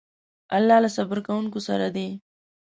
الله له صبر کوونکو سره دی.